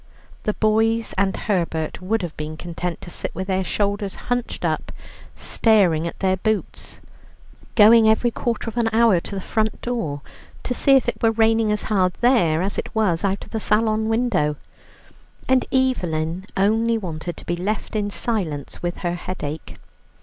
The boys and Herbert would have been content to sit with their shoulders hutched up, staring at their boots, going every quarter of an hour to the front door to see if it were raining as hard there as it was out of the salon window, and Evelyn only wanted to be left in silence with her headache.